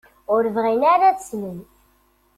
Ur bɣin ara ad d-slen.